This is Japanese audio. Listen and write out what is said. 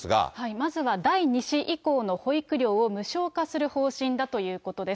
まずは第２子以降の保育料を無償化する方針だということです。